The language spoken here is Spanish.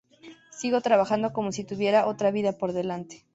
Sigo trabajando como si tuviera otra vida por delante.